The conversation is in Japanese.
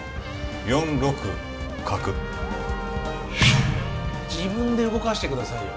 ４六角自分で動かしてくださいよ